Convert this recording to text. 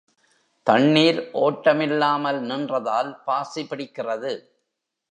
தண்ணீர் ஓட்டமில்லாமல் நின்றால் பாசி பிடிக்கிறது.